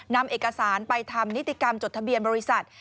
นำเอกสารไปทำนิติกรรมจดทะเบียนบริษัท